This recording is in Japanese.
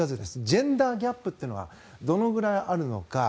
ジェンダー・ギャップというのがどのくらいあるのか。